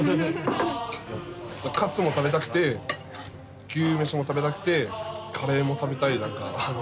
カツも食べたくて牛めしも食べたくてカレーも食べたい。